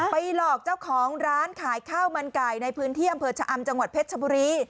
หลอกเจ้าของร้านขายข้าวมันไก่ในพื้นที่อำเภอชะอำจังหวัดเพชรชบุรี